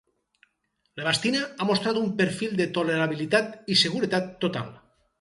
L'ebastina ha mostrat un perfil de tolerabilitat i seguretat total.